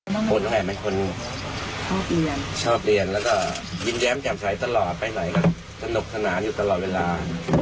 น้องแอ๋มเป็นคนชอบเรียนแล้วก็ยิ้มแย้มแจ่มใสตลอดไปไหนก็สนุกสนานอยู่ตลอดเวลา